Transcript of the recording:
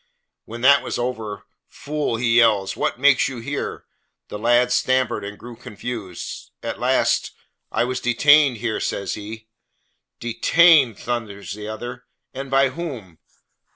When that was over, "Fool," he yells, "what make you here?" The lad stammered and grew confused. At last "I was detained here," says he. "Detained!" thunders the other, "and by whom?"